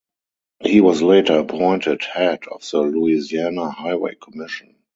He was later appointed head of the Louisiana Highway Commission.